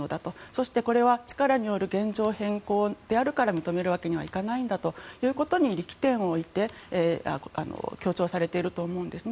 それから、これは力による現状変更であるから認めるわけにはいかないんだということに力点を置いて強調されていると思うんですね。